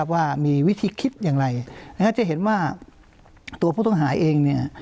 ว่ามีวิธีคิดอย่างไรจะเห็นว่าตัวผู้ต้องหาเองเนี่ย